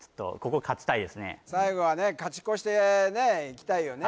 最後はね勝ち越していきたいよね